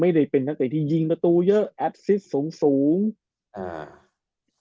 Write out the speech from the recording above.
ไม่ได้เป็นนักเตะที่ยิงประตูเยอะแอดซิสสูงสูงอ่า